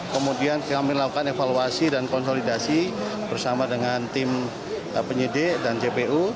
kemudian kami lakukan evaluasi dan konsolidasi bersama dengan tim penyidik dan jpu